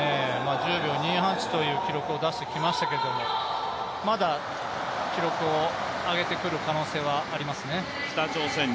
１０秒２８という記録を出してきましたけど、まだ記録を上げてくる可能性はありますね。